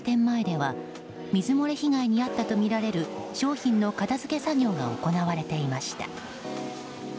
前では水漏れ被害に遭ったとみられる商品の片付け作業が行われていました。